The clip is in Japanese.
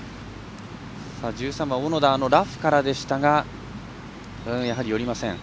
１３番、小野田ラフからでしたがやはり寄りません。